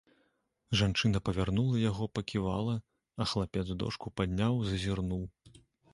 Жанчына павярнула яго, паківала, а хлапец дошку падняў, зазірнуў.